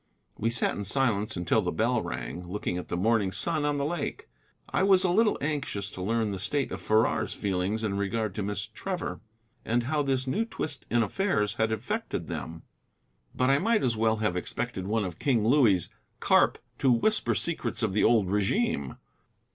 We sat in silence until the bell rang, looking at the morning sun on the lake. I was a little anxious to learn the state of Farrar's feelings in regard to Miss Trevor, and how this new twist in affairs had affected them. But I might as well have expected one of King Louis's carp to whisper secrets of the old regime.